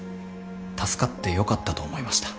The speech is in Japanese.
助かって良かったと思いました。